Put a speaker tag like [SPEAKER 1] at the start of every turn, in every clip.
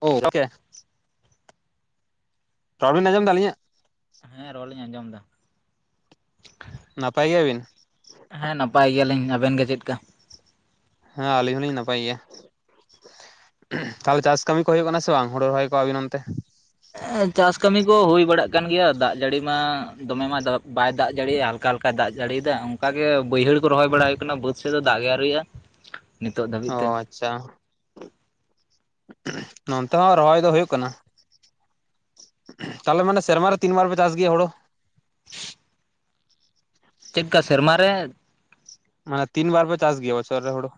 [SPEAKER 1] ᱚᱵ,
[SPEAKER 2] ᱠᱮᱦ ᱨᱚᱲ ᱵᱤᱱ ᱟᱸᱡᱚᱢ ᱮᱫᱟ ᱟᱹᱞᱤᱧᱟᱜ?
[SPEAKER 1] ᱦᱮᱸ ᱨᱚᱲ ᱞᱤᱧ ᱟᱸᱡᱚᱢ ᱮᱫᱟ᱾
[SPEAKER 2] ᱱᱟᱯᱟᱭ ᱜᱮᱭᱟ ᱵᱤᱱ?
[SPEAKER 1] ᱦᱮᱸ ᱱᱟᱯᱟᱭ ᱜᱮᱭᱟ ᱞᱤᱧ ᱟᱵᱮᱱ ᱜᱮ ᱪᱮᱫ ᱠᱟ?
[SPEAKER 2] ᱦᱮᱸ ᱟᱹᱞᱤᱧ ᱦᱚᱸᱞᱤᱧ ᱱᱟᱯᱟᱭ ᱜᱮᱭᱟ᱾ [unintelligible] ᱛᱟᱦᱮᱞᱮ ᱪᱟᱥ ᱠᱟᱹᱢᱤ ᱠᱚ ᱦᱩᱭᱩᱜ ᱠᱟᱱᱟ ᱥᱮ ᱵᱟᱝ ᱦᱩᱲᱳ ᱨᱚᱦᱚᱭ ᱠᱚ ᱟᱹᱵᱤᱱ ᱚᱱᱛᱮ?
[SPEAKER 1] ᱮᱸ ᱪᱟᱥ ᱠᱟᱹᱢᱤ ᱠᱚ ᱦᱩᱭ ᱵᱟᱲᱟᱜ ᱠᱟᱱ ᱜᱮᱭᱟ ᱫᱟᱜ ᱡᱟᱹᱲᱤ ᱢᱟ ᱫᱚᱢᱮ ᱢᱟ ᱫᱟᱵ ᱵᱟᱭ ᱫᱟᱜ ᱡᱟᱹᱲᱤᱭᱟ? ᱚᱠᱟ ᱞᱮᱠᱟᱭ ᱫᱟᱜ ᱡᱟᱹᱲᱤ ᱮᱫᱟᱭ ᱚᱸᱠᱟ ᱜᱮ ᱵᱟᱹᱭᱦᱟᱹᱲ ᱠᱚ ᱨᱚᱦᱚᱭ ᱵᱟᱲᱟ ᱦᱩᱭᱩᱜ ᱠᱟᱱᱟ, ᱵᱟᱹᱫᱽ ᱥᱮᱫ ᱫᱚ ᱫᱟᱜ ᱜᱮ ᱟᱹᱣᱨᱤ ᱭᱟᱜᱼᱟ᱾
[SPEAKER 2] ᱦᱚᱸᱻᱡ, ᱪᱪᱷᱟ, [unintelligible] ᱱᱚᱱᱛᱮ ᱦᱚᱸ ᱨᱚᱦᱚᱭ ᱫᱚ ᱦᱩᱭᱩᱜ ᱠᱟᱱᱟ᱾ ᱛᱟᱦᱚᱞᱮ ᱢᱟᱱᱮ ᱥᱮᱨᱢᱟ ᱨᱮ ᱛᱤᱱ ᱵᱟᱨ ᱯᱮ ᱪᱟᱥ ᱜᱮᱭᱟ ᱦᱩᱲᱳ?
[SPEAKER 1] ᱪᱮᱫ ᱠᱟ ᱥᱮᱨᱢᱟ ᱨᱮᱻᱫ᱾
[SPEAKER 2] ᱢᱟᱱᱮ ᱛᱤᱱ ᱵᱟᱨ ᱯᱮ ᱪᱟᱥ ᱜᱮᱭᱟ ᱵᱚᱪᱷᱚᱨ ᱨᱮ ᱦᱩᱲᱩ?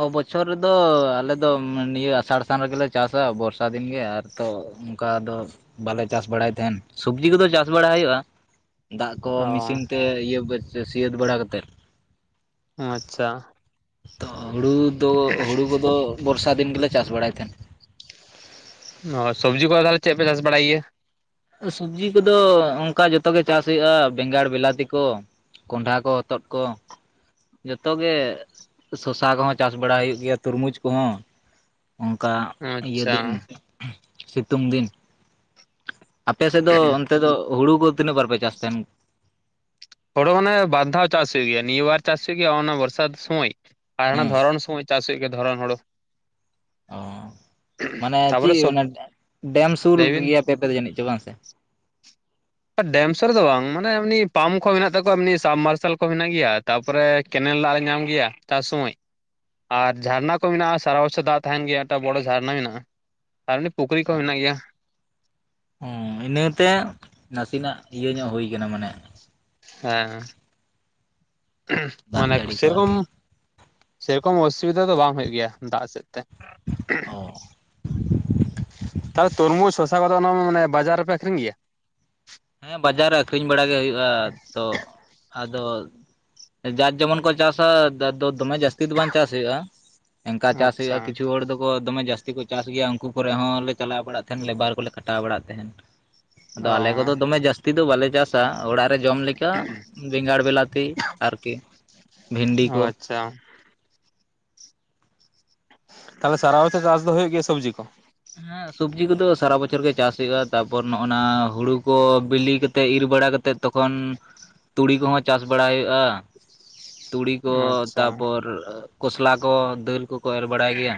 [SPEAKER 1] ᱚ ᱵᱚᱪᱷᱚᱨ ᱨᱮᱫᱚ ᱟᱞᱮ ᱫᱚ ᱢᱮᱱ ᱱᱤᱭᱟᱹ ᱟᱥᱟᱲ ᱥᱟᱱ ᱨᱮᱜᱮ ᱞᱮ ᱪᱟᱥᱼᱟ ᱵᱚᱨᱥᱟ ᱫᱤᱱ ᱜᱮ ᱟᱨ ᱛᱚ ᱚᱱᱠᱟ ᱫᱚ ᱵᱟᱞᱮ ᱪᱟᱥ ᱵᱟᱲᱟᱭ ᱛᱟᱦᱮᱸᱱ ᱥᱩᱵᱽᱡᱤ ᱠᱚᱫᱚ ᱪᱟᱥ ᱵᱟᱲᱟ ᱦᱩᱭᱩᱜᱼᱟ, ᱫᱟᱜ ᱠᱚ
[SPEAKER 2] ᱚ
[SPEAKER 1] ᱢᱤᱥᱤᱱ ᱛᱮ ᱤᱭᱟᱹ ᱵᱟᱹᱫ ᱥᱮ ᱥᱤᱭᱟᱹᱫ ᱵᱟᱲᱟ ᱠᱟᱛᱮᱫ᱾
[SPEAKER 2] ᱚᱸ ᱟᱪᱪᱷᱟ᱾
[SPEAKER 1] ᱛᱚ ᱦᱩᱲᱩ ᱫᱚ ᱦᱩᱲᱩ ᱠᱚᱫᱚ ᱵᱚᱨᱥᱟ ᱫᱤᱱ ᱜᱮᱞᱮ ᱪᱟᱥ ᱵᱟᱲᱟᱭ ᱛᱟᱦᱮᱸᱱ᱾
[SPEAKER 2] ᱚ ᱥᱚᱵᱽᱡᱤ ᱠᱚ ᱟ ᱛᱟᱦᱚᱞᱮ ᱪᱮᱫ ᱯᱮ ᱪᱟᱥ ᱵᱟᱲᱟᱭ ᱜᱮᱭᱟ?
[SPEAKER 1] ᱥᱩᱵᱽᱡᱤ ᱠᱚᱫᱚ ᱚᱸᱠᱟ ᱡᱚᱛᱚ ᱜᱮ ᱪᱟᱥ ᱦᱩᱭᱩᱜᱼᱟ ᱵᱮᱸᱜᱟᱲ, ᱵᱮᱞᱟᱛᱤ ᱠᱚ᱾ ᱠᱚᱸᱰᱷᱟ ᱠᱚ, ᱦᱚᱛᱚᱫ ᱠᱚ, ᱡᱚᱛᱚ ᱜᱮ ᱥᱚᱥᱟ ᱠᱚᱦᱚᱸ ᱪᱟᱥ ᱵᱟᱲᱟ ᱦᱩᱭᱩᱜ ᱜᱮᱭᱟ ᱛᱩᱨᱢᱩᱡᱽ ᱠᱚᱦᱚᱸ᱾ ᱚᱸᱠᱟ ᱤᱭᱟᱹ
[SPEAKER 2] ᱟᱪᱪᱷᱟ
[SPEAKER 1] ᱫᱤᱱ ᱥᱤᱛᱩᱝ ᱫᱤᱱ᱾ ᱟᱯᱮ ᱥᱮᱫ ᱫᱚ ᱚᱱᱛᱮ ᱫᱚᱜ ᱦᱩᱲᱩ ᱠᱚ ᱛᱤᱱᱟᱹᱜ ᱵᱟᱨ ᱯᱮ ᱪᱟᱥ ᱛᱟᱦᱮᱸᱱ?
[SPEAKER 2] ᱦᱳᱲᱳ ᱚᱱᱮ ᱵᱟᱨ ᱫᱷᱟᱣ ᱪᱟᱥ ᱦᱩᱭᱩᱜ ᱜᱮᱭᱟ, ᱱᱤᱭᱟᱹ ᱵᱟᱨ ᱪᱟᱥ ᱦᱩᱭᱩᱜ ᱜᱮᱭᱟ ᱚᱱᱟ ᱵᱚᱨᱥᱟᱛ ᱥᱳᱢᱟᱹᱭ, ᱟᱨ ᱦᱟᱱᱟ
[SPEAKER 1] ᱦᱮᱸ
[SPEAKER 2] ᱫᱷᱚᱨᱚᱬ ᱥᱚᱢᱚᱭ ᱪᱟᱥ ᱦᱩᱭᱩᱜ ᱜᱮᱭᱟ ᱫᱷᱚᱨᱚᱱ ᱦᱩᱲᱳ᱾
[SPEAKER 1] ᱚᱸ ᱢᱟᱱᱮ
[SPEAKER 2] ᱛᱟᱯᱚᱨᱮ
[SPEAKER 1] ᱪᱤᱜ
[SPEAKER 2] ᱥᱚᱵ
[SPEAKER 1] ᱚᱱᱟ ᱮᱸᱜ ᱰᱮᱢ ᱥᱩᱨ
[SPEAKER 2] ᱞᱟᱹᱭ ᱵᱤᱱ
[SPEAKER 1] ᱜᱮᱭᱟ ᱯᱮ ᱟᱯᱮ ᱫᱚ ᱡᱟᱹᱱᱤᱡ ᱪᱚ ᱵᱟᱝ ᱥᱮ?
[SPEAKER 2] ᱰᱮᱢ ᱥᱮᱫ ᱨᱮᱫᱚ ᱵᱟᱝ ᱢᱟᱱᱮ ᱮᱢᱱᱤ ᱯᱟᱢᱯ ᱠᱚ ᱢᱮᱱᱟᱜ ᱛᱟᱠᱚᱣᱟ ᱮᱢᱱᱤ ᱥᱟᱢ ᱢᱟᱨᱥᱟᱞ ᱠᱚ ᱢᱮᱱᱟᱜ ᱜᱮᱭᱟ, ᱛᱟᱯᱚᱨᱮ ᱠᱮᱱᱮᱞ ᱫᱟᱜ ᱞᱮ ᱧᱟᱢ ᱜᱮᱭᱟ ᱪᱟᱥ ᱥᱚᱢᱚᱭ᱾ ᱟᱨ ᱡᱷᱟᱨᱱᱟ ᱠᱚ ᱢᱮᱱᱟᱜᱼᱟ ᱥᱟᱨᱟ ᱵᱚᱪᱷᱚᱨ ᱫᱟᱜ ᱛᱟᱦᱮᱸᱱ ᱜᱮᱭᱟ, ᱮᱠ ᱴᱟ ᱵᱚᱲᱚ ᱡᱷᱟᱨᱱᱟ ᱢᱮᱱᱟᱜᱼᱟ᱾ ᱟᱨ ᱮᱢᱱᱤ ᱯᱩᱠᱷᱨᱤ ᱠᱚᱦᱚᱸ ᱢᱮᱱᱟᱜ ᱜᱮᱭᱟ᱾
[SPEAKER 1] ᱦᱩᱸ ᱤᱱᱟᱹ ᱛᱮ ᱱᱟᱹᱥᱤᱱᱟᱜ ᱤᱭᱟᱹ ᱧᱚᱜ ᱦᱩᱭ ᱠᱟᱱᱟ ᱢᱟᱱᱮ
[SPEAKER 2] ᱮᱸ [unintelligible]
[SPEAKER 1] ᱫᱟᱜ
[SPEAKER 2] ᱢᱟᱱᱮᱠ
[SPEAKER 1] ᱡᱟᱹᱲᱤ ᱠᱚ
[SPEAKER 2] ᱥᱮᱨᱚᱠᱚᱢ,
[SPEAKER 1] ᱟᱨᱠᱤ
[SPEAKER 2] ᱥᱮᱨᱚᱠᱚᱢ ᱚᱥᱩᱵᱤᱫᱷᱟ ᱫᱚ ᱵᱟᱝ ᱦᱩᱭᱩᱜ ᱜᱮᱭᱟ, ᱫᱟᱜ ᱥᱮᱫ᱾ ᱛᱮᱦ
[SPEAKER 1] ᱚ
[SPEAKER 2] [unintelligible] ᱛᱟᱦᱚᱞᱮ ᱛᱩᱨᱢᱩᱥ ᱥᱳ ᱛᱟ ᱵᱟᱫᱽ ᱚᱱᱟ ᱢᱟ ᱢᱟᱱᱮ ᱵᱟᱡᱟᱨ ᱨᱮᱯᱮ ᱟᱹᱠᱷᱨᱤᱧ ᱜᱤᱭᱟ?
[SPEAKER 1] ᱦᱮᱸ ᱵᱟᱡᱟᱨ ᱨᱮ ᱟᱹᱠᱷᱨᱤᱧ ᱵᱟᱲᱟ ᱜᱮ ᱦᱩᱭᱩᱜᱼᱟ, ᱛᱚᱜ ᱟᱫᱚ ᱡᱟᱨ ᱡᱮᱢᱚᱱ ᱠᱚ ᱪᱟᱥᱼᱼ [unintelligible] ᱫᱚᱢᱮ ᱡᱟᱹᱥᱛᱤ ᱫᱚ ᱵᱟᱝ ᱪᱟᱥ ᱦᱩᱭᱩᱜᱼᱟ ᱮᱝᱠᱟ ᱪᱟᱥ ᱦᱩᱭᱩᱜᱼᱟ
[SPEAKER 2] ᱟᱪᱪᱷᱟ
[SPEAKER 1] ᱠᱤᱪᱷᱩ ᱦᱚᱲ ᱫᱚᱠᱚ ᱫᱚᱢᱮ ᱡᱟᱥ [unintelligible] ᱠᱚ ᱪᱟᱥ ᱜᱮᱭᱟ ᱩᱱᱠᱩ ᱠᱚ ᱨᱮ ᱦᱚᱸᱞᱮ ᱪᱟᱞᱟᱣ ᱵᱟᱲᱟᱜ ᱛᱟᱦᱮᱸᱱ ᱞᱮᱵᱟᱨ ᱠᱚᱞᱮ ᱠᱷᱟᱴᱟᱣ ᱵᱟᱲᱟᱜ ᱛᱟᱦᱮᱸᱱ ᱟᱫᱚ
[SPEAKER 2] ᱚ
[SPEAKER 1] ᱟᱞᱮ ᱠᱚᱫᱚᱼᱼ ᱡᱟᱹᱥᱛᱤ ᱫᱚ ᱵᱟᱞᱮ ᱪᱟᱥᱟ ᱚᱲᱟ ᱡᱚᱢ ᱞᱮᱠᱟ ᱵᱮᱸᱜᱟᱲ, ᱵᱮᱞᱟᱛᱤ ᱟᱨ ᱠᱤ ᱵᱷᱮᱱᱰᱤ
[SPEAKER 2] ᱚ
[SPEAKER 1] ᱠᱚ᱾
[SPEAKER 2] ᱟᱪᱪᱷᱟ᱾ ᱛᱟᱦᱚᱞᱮ ᱥᱟᱨᱟ ᱵᱚᱪᱷᱚᱨ ᱪᱟᱥ ᱫᱚ ᱦᱩᱭᱩᱜ ᱜᱤᱭᱟᱹ ᱥᱚᱵᱽᱡᱤ ᱠᱚ?
[SPEAKER 1] ᱦᱮᱸ ᱥᱚᱵᱽᱡᱤ ᱠᱚᱫᱚ ᱥᱟᱨᱟ ᱵᱚᱪᱷᱚᱨ ᱜᱮ ᱪᱟᱥ ᱦᱩᱭᱩᱜᱼᱟ ᱛᱟᱯᱚᱨ ᱱᱚᱜ ᱱᱟ ᱦᱩᱲᱩ ᱠᱚ ᱵᱤᱞᱤ ᱠᱟᱛᱮᱫ ᱤᱨ ᱵᱟᱲᱟ ᱠᱟᱛᱮᱫ ᱛᱚᱠᱷᱚᱱ ᱛᱩᱲᱤ ᱠᱚᱦᱚᱸ ᱪᱟᱥ ᱵᱟᱲᱟ ᱦᱩᱭᱩᱜᱼᱟ᱾ ᱛᱩᱲᱤ ᱠᱚ
[SPEAKER 2] ᱟᱪᱪᱷᱟ
[SPEAKER 1] ᱛᱟᱯᱚᱨ ᱠᱚᱥᱞᱟ ᱠᱚ ᱫᱟᱹᱞ ᱠᱚᱠᱚ ᱮᱨ ᱵᱟᱲᱟᱭ ᱜᱮᱭᱟ᱾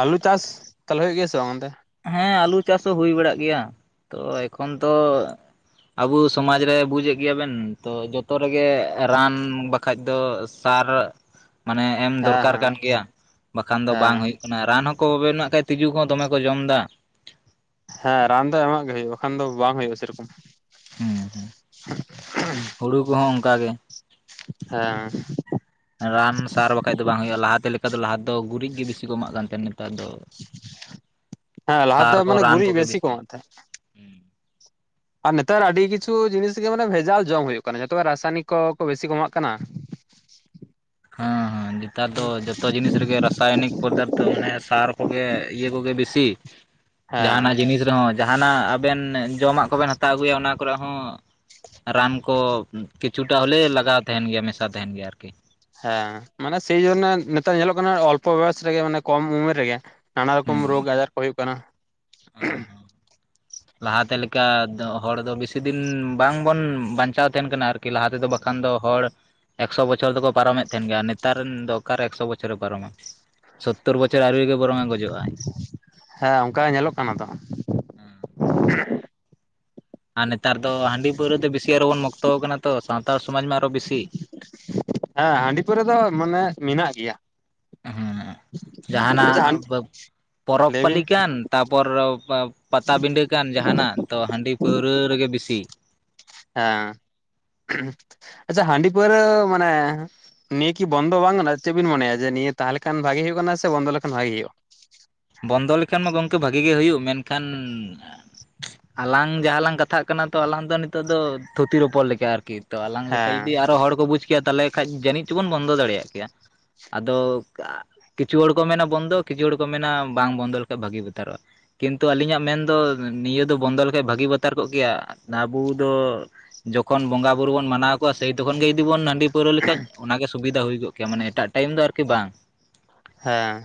[SPEAKER 2] ᱟᱞᱩ ᱪᱟᱥ ᱛᱟᱦᱞᱮ ᱦᱩᱭᱩᱜ ᱜᱮᱭᱟ ᱥᱮ ᱵᱟᱝ ᱚᱱᱛᱮ᱾
[SPEAKER 1] ᱦᱮᱸ ᱟᱞᱩ ᱪᱟᱥ ᱦᱚᱸ ᱦᱳᱭ ᱵᱟᱲᱟᱜ ᱜᱮᱭᱟ ᱛᱚ ᱮᱠᱷᱚᱱ ᱛᱚ ᱟᱵᱚ ᱥᱚᱢᱟᱡ ᱨᱮ ᱵᱩᱡᱮᱫ ᱜᱮᱭᱟᱵᱱ ᱛᱚ ᱡᱚᱛᱚ ᱨᱮᱜᱮ ᱨᱟᱱ ᱵᱟ ᱵᱟᱠᱷᱟᱡ ᱫᱚ ᱥᱟᱨ ᱢᱟᱱᱮ ᱮᱢ
[SPEAKER 2] ᱦᱮᱸ
[SPEAKER 1] ᱫᱚᱨᱠᱟᱨ
[SPEAKER 2] ᱦᱮᱸ
[SPEAKER 1] ᱠᱟᱱ ᱜᱮᱭᱟ ᱵᱟᱠᱷᱟᱱ ᱫᱚ ᱵᱟᱝ
[SPEAKER 2] ᱦᱮᱸ
[SPEAKER 1] ᱦᱩᱭᱩᱜ ᱠᱟᱱᱟ ᱨᱟᱱ ᱦᱚᱸᱠᱚᱚᱵᱮ ᱢᱮᱱᱟᱜ ᱠᱷᱟᱡ ᱛᱤᱡᱩ ᱠᱚᱦ ᱫᱚᱢᱮ ᱠᱚ ᱡᱚᱢ ᱫᱟ᱾
[SPEAKER 2] ᱦᱮᱸ ᱨᱟᱱ ᱫᱚ ᱮᱢᱟᱜ ᱜᱮ ᱦᱩᱭᱩᱜᱼᱟ ᱮᱠᱷᱟᱱ ᱫᱚ ᱵᱟᱝ ᱦᱩᱭᱩᱜᱼᱟ ᱥᱮᱨᱚᱠᱚᱢ᱾
[SPEAKER 1] ᱦᱮᱸ ᱦᱮᱸ ᱦᱩᱲᱩ ᱠᱚᱦᱚᱸ ᱚᱱᱠᱟ ᱜᱮ᱾
[SPEAKER 2] ᱦᱮᱸ᱾
[SPEAKER 1] ᱨᱟᱱ ᱥᱟᱨ ᱵᱟᱠᱷᱟᱡ ᱫᱚ ᱵᱟᱝ ᱦᱳᱭᱳᱜᱼᱟ ᱞᱟᱦᱟᱛᱮ ᱞᱮᱠᱟ ᱫᱚ ᱞᱟᱦᱟ ᱫᱚ ᱜᱩᱨᱤᱡ ᱜᱮ ᱵᱤᱥᱤ ᱠᱚ ᱮᱢᱟᱜ ᱠᱟᱱ ᱛᱟᱦᱮᱱᱟ᱾ ᱱᱮᱛᱟᱨ ᱫᱚ
[SPEAKER 2] ᱦᱮᱸ ᱞᱟᱦᱟ
[SPEAKER 1] ᱥᱟᱨ
[SPEAKER 2] ᱫᱚ
[SPEAKER 1] ᱠᱚ
[SPEAKER 2] ᱢᱟᱱᱮ
[SPEAKER 1] ᱨᱟᱱ
[SPEAKER 2] ᱜᱩᱨᱤᱡ
[SPEAKER 1] ᱠᱚᱜᱮ
[SPEAKER 2] ᱠᱚ
[SPEAKER 1] ᱵᱮᱥᱤ᱾
[SPEAKER 2] ᱮᱢᱟᱜ ᱛᱟᱦᱮᱸᱫ ᱟᱨ ᱱᱮᱛᱟᱨ ᱟᱹᱰᱤ ᱠᱤᱪᱷᱩ ᱡᱤᱱᱤᱥ ᱜᱮ ᱢᱟᱱᱮ ᱵᱷᱮᱡᱟᱞ ᱡᱚᱢ ᱦᱩᱭᱩᱜ ᱠᱟᱱᱟ ᱡᱚᱛᱚ ᱨᱟᱥᱟᱭᱚᱱᱤᱠ ᱠᱚ ᱵᱤᱥᱤ ᱠᱚ ᱮᱢᱟᱜ ᱠᱟᱱᱟ᱾
[SPEAKER 1] ᱦᱮᱸ ᱦᱮᱸ᱾ ᱱᱮᱛᱟᱨ ᱫᱚ ᱡᱚᱛᱚ ᱡᱤᱱᱤᱥ ᱨᱮᱜᱮ ᱨᱟᱥᱟᱭᱚᱱᱤᱠ ᱯᱚᱫᱟᱨᱛᱷᱚ ᱢᱟᱱᱮ ᱥᱟᱨ ᱠᱚᱜᱮ ᱤᱭᱟᱹ ᱠᱚᱜᱮ ᱵᱮᱥᱤ᱾
[SPEAKER 2] ᱦᱮᱸ
[SPEAKER 1] ᱡᱟᱦᱱᱟᱜ ᱡᱤᱱᱤᱥ ᱨᱮᱦᱚᱸ ᱡᱟᱦᱟᱱᱟᱜ ᱟᱵᱮᱱ ᱡᱚᱢᱟᱜ ᱠᱚᱵᱮᱱ ᱦᱟᱛᱟᱣ ᱟᱹᱜᱩᱭᱟ ᱚᱱᱟ ᱠᱚᱨᱮ ᱦᱚᱸ ᱨᱟᱱ ᱠᱚ ᱠᱤᱪᱷᱩᱴᱟ ᱦᱚᱞᱮᱣ ᱞᱟᱜᱟᱣ ᱛᱟᱦᱮᱱ ᱜᱮᱭᱟ ᱢᱮᱥᱟ ᱛᱟᱦᱮᱱ ᱜᱮᱭᱟ ᱟᱨᱠᱤ᱾
[SPEAKER 2] ᱦᱮᱸ ᱢᱟᱱᱮ ᱥᱮᱭᱡᱚᱱᱱᱮ ᱱᱮᱛᱟᱨ ᱧᱮᱞᱚᱜ ᱠᱟᱱᱟ ᱚᱞᱯᱚ ᱵᱚᱭᱚᱥ ᱨᱮᱜᱮ ᱢᱟᱱᱮ ᱠᱚᱢ ᱩᱢᱮᱨ ᱨᱮᱜᱮᱼᱼ ᱱᱟᱱᱟ
[SPEAKER 1] ᱦᱩᱸ
[SPEAKER 2] ᱨᱚᱠᱚᱢ ᱨᱳᱜᱽ ᱟᱡᱟᱨ ᱠᱚ ᱦᱩᱭᱩᱜ ᱠᱟᱱᱟ᱾
[SPEAKER 1] ᱞᱟᱦᱟᱛᱮ ᱞᱮᱠᱟ ᱦᱚᱲ ᱫᱚ ᱵᱮᱥᱤ ᱫᱤᱱ ᱵᱟᱝᱵᱚᱱ ᱵᱟᱧᱪᱟᱣ ᱛᱟᱦᱮᱱ ᱠᱟᱱᱟ ᱟᱨᱠᱤ᱾ ᱠᱤ ᱞᱟᱦᱟ ᱛᱮᱫᱚ ᱵᱟᱠᱷᱟᱱ ᱫᱚ ᱦᱚᱲ᱾ ᱮᱠᱥᱚ ᱵᱚᱪᱷᱚᱨ ᱫᱚᱠᱚ ᱯᱟᱨᱚᱢ ᱮᱱ ᱛᱟᱦᱮᱱ ᱟᱨ ᱱᱮᱛᱟᱨ ᱨᱮᱱ ᱫᱚᱨᱠᱟᱨ ᱮᱠᱥᱚ ᱵᱚᱪᱷᱚᱨᱮ ᱯᱟᱨᱚᱢᱟ? ᱥᱳᱛᱳᱚᱨ ᱵᱚᱪᱚᱨ ᱟᱹᱣᱩᱨᱤ ᱨᱮᱜᱮ ᱵᱚᱨᱚᱝᱮ ᱜᱚᱡᱚᱜᱟᱭ᱾
[SPEAKER 2] ᱦᱮᱸ ᱚᱱᱠᱟ ᱧᱮᱞᱚᱜ ᱠᱟᱱᱟ ᱛᱚ᱾
[SPEAKER 1] ᱟᱨ ᱱᱮᱛᱟᱨ ᱫᱚ ᱦᱟᱺᱰᱤ ᱯᱟᱹᱣᱨᱟᱹ ᱛᱮ ᱵᱤᱥᱤ ᱟᱨᱚ ᱵᱚᱱ ᱢᱩᱠᱛᱚ ᱟᱠᱟᱱᱟ ᱛᱚ ᱥᱟᱱᱛᱟᱲ ᱥᱚᱢᱟᱡᱽ ᱢᱟ ᱟᱨᱚ ᱵᱤᱥᱤ᱾
[SPEAKER 2] ᱦᱮᱸ ᱦᱟᱺᱰᱤ ᱯᱟᱹᱣᱨᱟᱹ ᱫᱚ ᱢᱟᱱᱮ ᱢᱮᱱᱟᱜ ᱜᱮᱭᱟ᱾
[SPEAKER 1] ᱦᱮᱸ
[SPEAKER 2] ᱟᱪᱪᱷᱟ
[SPEAKER 1] ᱡᱟᱦᱟᱱᱟᱜ
[SPEAKER 2] ᱦᱟᱺᱰᱤ
[SPEAKER 1] ᱵᱟ ᱯᱚᱨᱚᱵᱽ
[SPEAKER 2] ᱞᱟᱹᱭ
[SPEAKER 1] ᱯᱟᱹᱞᱤ
[SPEAKER 2] ᱵᱤᱱ
[SPEAKER 1] ᱠᱟᱱ ᱛᱟᱯᱚᱨ ᱯᱟᱛᱟᱵᱤᱱᱵᱟᱹ ᱠᱟᱱ ᱡᱟᱦᱟᱱᱟᱜ ᱛᱚ ᱦᱟᱺᱰᱤ᱾ ᱯᱟᱹᱣᱨᱟᱹ ᱨᱮᱜᱮ ᱵᱮᱥᱤ᱾
[SPEAKER 2] ᱦᱮᱸ ᱟᱪᱪᱷᱟ ᱦᱟᱺᱰᱤ ᱯᱟᱹᱣᱨᱟᱹ ᱢᱟᱱᱮ ᱱᱤᱭᱟᱹ ᱠᱤ ᱵᱚᱱᱫᱚ ᱵᱟᱝ ᱜᱟᱱᱚᱜ-ᱟ ᱪᱮᱫ ᱵᱤᱱ ᱢᱚᱱᱮᱭᱟ ᱡᱮ ᱱᱤᱭᱟᱹ ᱛᱟᱦᱚᱞᱮ ᱠᱷᱟᱱ ᱵᱷᱟᱜᱮ ᱦᱳᱭᱳᱜ ᱠᱟᱱᱟ ᱥᱮ ᱵᱚᱱᱫᱚ ᱞᱮᱠᱷᱟᱱ ᱵᱷᱟᱜᱮ ᱦᱳᱭᱳᱜᱼᱟ᱾
[SPEAKER 1] ᱵᱚᱱᱫᱚ ᱞᱮᱠᱷᱟᱱ ᱢᱟ ᱜᱚᱝᱠᱮ ᱵᱷᱟᱜᱤ ᱜᱮ ᱦᱩᱭᱩᱜᱼᱟ ᱢᱮᱱᱠᱷᱟᱱ ᱟᱞᱟᱝ ᱡᱟᱦᱟᱸ ᱞᱟᱝ ᱠᱟᱛᱷᱟᱜ ᱠᱟᱱᱟ ᱛᱚ ᱟᱞᱟᱝ ᱱᱤᱛᱚᱜ ᱫᱚ ᱛᱷᱩᱛᱤ ᱨᱚᱯᱚᱲ ᱞᱮᱠᱟ ᱟᱨᱠᱤ ᱛᱚ ᱟᱞᱟᱝ ᱞᱮᱠᱟ
[SPEAKER 2] ᱦᱮᱸ
[SPEAKER 1] ᱡᱩᱫᱤ ᱟᱨᱚ ᱦᱚᱲ ᱠᱚ ᱵᱩᱡᱽ ᱠᱮᱭᱟ ᱛᱟᱦᱚᱞᱮ ᱠᱷᱟᱱᱡ ᱡᱟᱹᱱᱤᱡ ᱪᱚᱵᱚᱱ ᱵᱚᱱᱫᱚ ᱫᱟᱲᱮᱭᱟᱜ ᱠᱮᱭᱟ᱾ ᱟᱫᱚ ᱠᱤᱪᱷᱩ ᱦᱚᱲ ᱠᱚ ᱢᱮᱱᱟ ᱵᱚᱱᱫᱚ ᱠᱤᱪᱷᱩ ᱦᱚᱲ ᱠᱚ ᱢᱮᱱᱟ ᱵᱟᱝ ᱵᱚᱱᱫᱚ ᱞᱮᱠᱷᱟᱱᱡ ᱵᱷᱟᱜᱤ ᱵᱟᱛᱟᱨᱚᱜᱼᱟ᱾ ᱠᱤᱱᱛᱩ ᱟᱹᱞᱤᱧᱟᱜ ᱢᱮᱱᱫᱚ, ᱱᱤᱭᱟᱹ ᱫᱚ ᱵᱚᱱᱫᱚ ᱞᱮᱠᱷᱟᱱᱡ ᱵᱷᱟᱹᱜᱤ ᱵᱟᱛᱟᱨ ᱠᱚᱜ ᱠᱮᱭᱟ ᱟᱵᱳ ᱫᱚ ᱡᱚᱠᱷᱚᱱ ᱵᱚᱸᱜᱟ ᱵᱩᱨᱩ ᱵᱚᱱ ᱢᱟᱱᱟᱣ ᱠᱚᱣᱟ, ᱥᱮᱭ ᱛᱚᱠᱷᱚᱱ ᱜᱮ ᱡᱩᱤᱵᱚᱱ ᱦᱟᱸᱰᱤ ᱯᱟᱹᱩᱨᱟ ᱞᱮᱠᱷᱟᱡ ᱚᱱᱟᱜᱮ ᱥᱩᱵᱤᱫᱷᱟ ᱦᱩᱭ ᱠᱚᱜ ᱠᱮᱭᱟ ᱢᱟᱱᱮ ᱮᱴᱟᱜ ᱴᱟᱭᱤᱢ ᱫᱚ ᱟᱨᱠᱤ ᱵᱟᱝ
[SPEAKER 2] ᱦᱮᱸ᱾